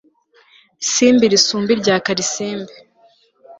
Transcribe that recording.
simbi risumba irya karisimbi